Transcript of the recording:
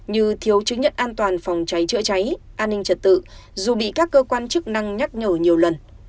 như thiếu chứng nhận an toàn phòng cháy chữa cháy an ninh trật tự dù bị các cơ quan chức năng nhắc nhở nhiều lần